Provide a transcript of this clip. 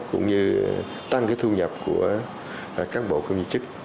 cũng như tăng thu nhập của các bộ công dân chức